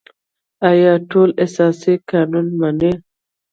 آیا ټول اساسي قانون مني؟